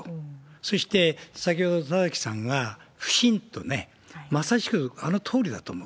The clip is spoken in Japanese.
そして、先ほど田崎さんが腐心とね、まさしくこのとおりだと思う。